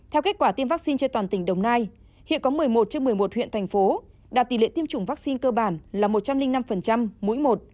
theo kết quả tiêm vaccine trên toàn tỉnh đồng nai hiện có một mươi một trên một mươi một huyện thành phố đạt tỷ lệ tiêm chủng vaccine cơ bản là một trăm linh năm mũi một